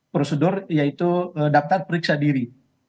prosedur yaitu daftar periksa diri